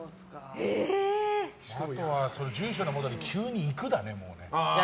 あとは住所のところに急に行くだね。